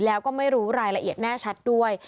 แล้วก็ไม่รู้รายละเอียดแน่ชัดด้วย